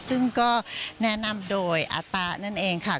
ซึ่งก็แนะนำโดยอาตะนั่นเองค่ะ